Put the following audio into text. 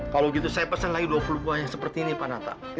kalau gitu saya pesan lagi dua puluh buah yang seperti ini pak nata